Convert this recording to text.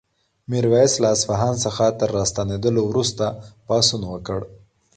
میرویس له اصفهان څخه تر راستنېدلو وروسته پاڅون وکړ.